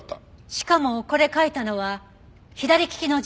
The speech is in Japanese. しかもこれ書いたのは左利きの人物でした。